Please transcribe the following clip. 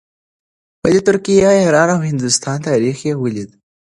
د ترکیې، ایران او هندوستان تاریخ یې ولید.